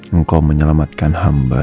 engkau menyelamatkan hamba